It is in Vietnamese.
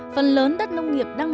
phần lớn đất nông nghiệp đang bị phá hủy